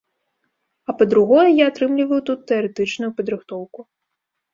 А па-другое, я атрымліваю тут тэарэтычную падрыхтоўку.